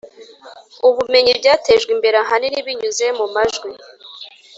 ubumenyi byatejwe imbere ahanini binyuze mu majwi